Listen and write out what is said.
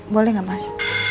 boleh nggak mas